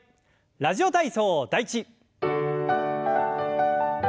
「ラジオ体操第１」。